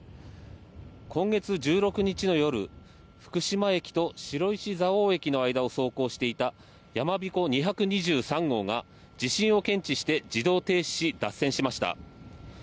今月１６日、福島駅と白石蔵王駅の間を走行していた「やまびこ２２３号」が地震を検知して自動停止し脱線しました。